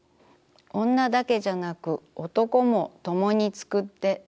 女だけじゃなく男も共につくって。